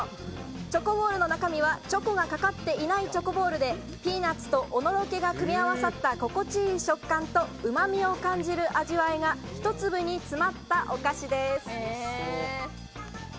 「チョコボールのなかみ」はチョコがかかっていないチョコボールでピーナツとおのろけが組み合わさった心地良い食感とうま味を感じる味わいが一粒に詰まったお菓子です。